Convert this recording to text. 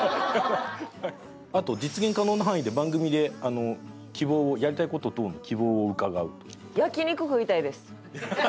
あと実現可能な範囲で番組で希望をやりたい事等の希望を伺うという。